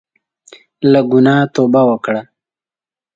له ګناه توبه وکړه.